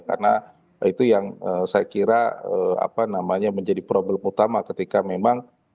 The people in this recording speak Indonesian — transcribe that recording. karena itu yang saya kira apa namanya menjadi problem utama ketika memang